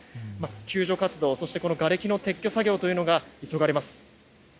救助活動やがれきの撤去作業というのが急がれます。